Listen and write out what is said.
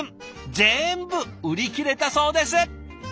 ぜんぶ売り切れたそうです！